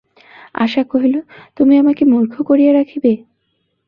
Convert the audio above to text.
আশা কহিল, তুমি আমাকে মূর্খ করিয়া রাখিবে?